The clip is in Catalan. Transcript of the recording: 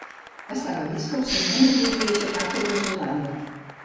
Estava vist que el senyor no podia aixecar torres enlaire